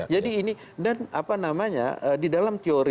jadi ini dan apa namanya di dalam teori